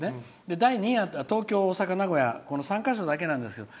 第２夜が東京、大阪、名古屋３か所だけなんです。